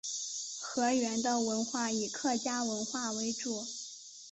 河源的文化以客家文化为主。